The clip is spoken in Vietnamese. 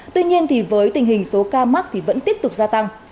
tuy nhiên với tình hình số ca mắc thì vẫn tiếp tục gia tăng